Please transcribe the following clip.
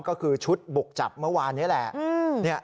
ก็คือชุดบุกจับเมื่อวานนี้แหละ